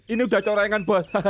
ini udah corengan bos